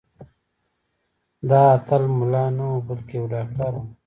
دا اتل ملا نه و بلکې یو ډاکټر و.